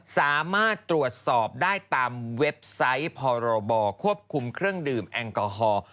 สามารถตรวจสอบได้ตามเว็บไซต์พรบควบคุมเครื่องดื่มแอลกอฮอล์